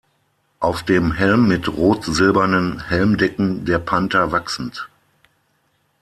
Auf dem Helm mit rot-silbernen Helmdecken der Panther wachsend.